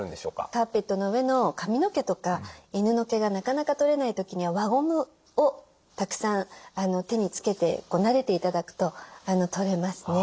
カーペットの上の髪の毛とか犬の毛がなかなか取れない時には輪ゴムをたくさん手につけてなでて頂くと取れますね。